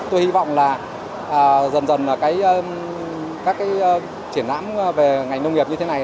tôi hy vọng là dần dần các triển lãm về ngành nông nghiệp như thế này